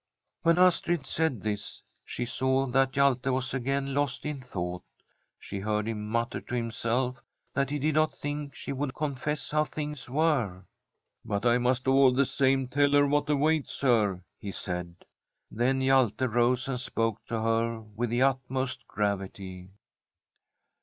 When Astrid said this she saw that Hjalte was again lost in thought. She heard him mutter to himself that he did not think she would confess how things were. ' But I must all the same tell her what awaits her/ he said. Then Hjalte rose, and spoke to her with the utmost gravity.